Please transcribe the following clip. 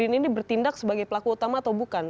ini bertindak sebagai pelaku utama atau bukan